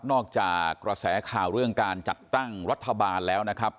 กระแสข่าวเรื่องการจัดตั้งรัฐบาลแล้วนะครับ